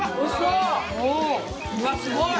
うわっすごい！